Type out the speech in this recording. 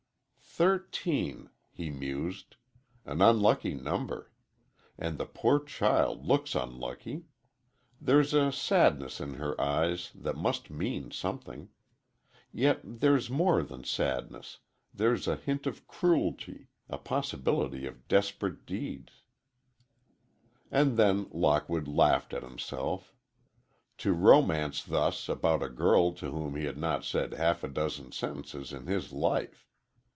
"Thirteen," he mused; "an unlucky number. And the poor child looks unlucky. There's a sadness in her eyes that must mean something. Yet there's more than sadness,—there's a hint of cruelty,—a possibility of desperate deeds." And then Lockwood laughed at himself. To romance thus about a girl to whom he had not said half a dozen sentences in his life!